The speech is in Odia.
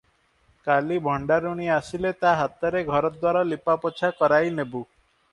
କାଲି ଭଣ୍ଡାରୁଣୀ ଆସିଲେ ତା ହାତରେ ଘରଦ୍ୱାର ଲିପାପୋଛା କରାଇ ନେବୁ ।